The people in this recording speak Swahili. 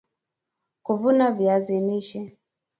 kuvuna viazi lishe